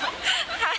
はい。